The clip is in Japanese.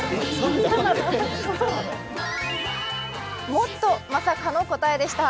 もっとまさかの答えでした。